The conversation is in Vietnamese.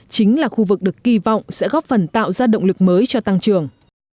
chính là khu vực được kỳ vọng sẽ góp phần tạo ra động lực mới cho tăng trưởng